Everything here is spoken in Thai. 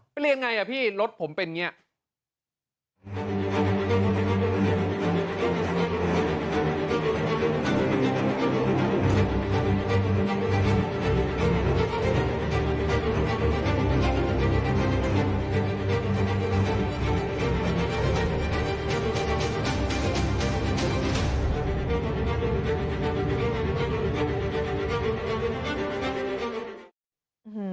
เรียนไงอ่ะพี่รถผมเป็นอย่างนี้